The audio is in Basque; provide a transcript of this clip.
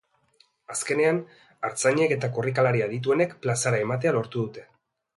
Azkenean, artzainek eta korrikalari adituenek plazara ematea lortu dute.